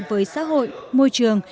với xã hội môi trường